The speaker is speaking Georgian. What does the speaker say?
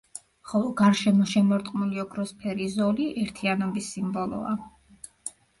ხოლო გარშემო შემორტყმული ოქროსფერი ზოლი ერთიანობის სიმბოლოა.